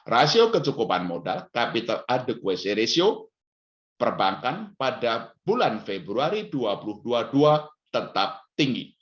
rasio kecukupan modal capital adequesy ratio perbankan pada bulan februari dua ribu dua puluh dua tetap tinggi